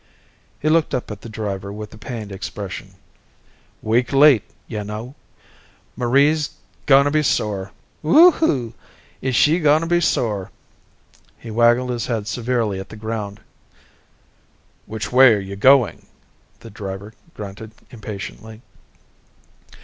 He looked up at the driver with a pained expression. "Week late, ya know? Marie's gonna be sore woo hoo! is she gonna be sore!" He waggled his head severely at the ground. "Which way are you going?" the driver grunted impatiently.